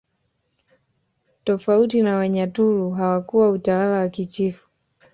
Tofauti na Wanyaturu hawakuwa utawala wa kichifu